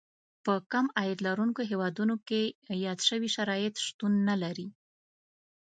په کم عاید لرونکو هېوادونو کې یاد شوي شرایط شتون نه لري.